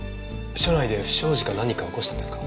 署内で不祥事か何か起こしたんですか？